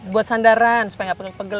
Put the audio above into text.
buat sandaran supaya nggak pegel pegel